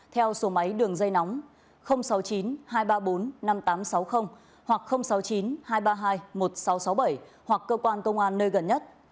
theo số máy đường dây nóng sáu mươi chín hai trăm ba mươi bốn năm nghìn tám trăm sáu mươi hoặc sáu mươi chín hai trăm ba mươi hai một nghìn sáu trăm sáu mươi bảy hoặc cơ quan công an nơi gần nhất